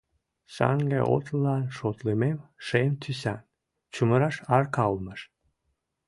Шаҥге отылан шотлымем шем тӱсан, чумыраш арка улмаш.